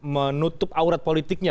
menutup aurat politiknya